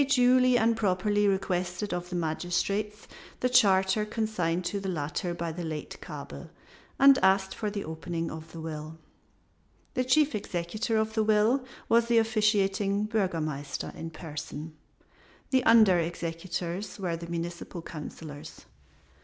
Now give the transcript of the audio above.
They duly and properly requested of the magistrates the charter consigned to the latter by the late Kabel, and asked for the opening of the will. The chief executor of the will was the officiating Burgomaster in person, the under executors were the Municipal Councilors.